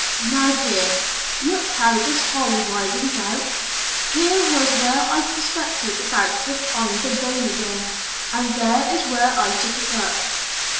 "Now here, look how this hole widens out? Here was where I prospected about to find the vein again, and there is where I took it up.